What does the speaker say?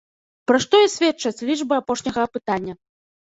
Пра што і сведчаць лічбы апошняга апытання.